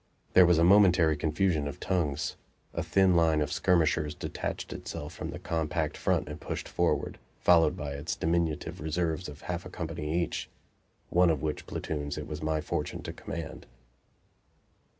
There was a momentary confusion of tongues, a thin line of skirmishers detached itself from the compact front and pushed forward, followed by its diminutive reserves of half a company each one of which platoons it was my fortune to command.